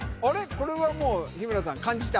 これはもう日村さん感じた？